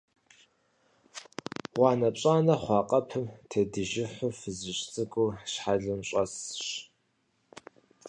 ГъуанэпщӀанэ хъуа къэпым тедыжыхьу фызыжь цӀыкӀур щхьэлым щӀэсщ.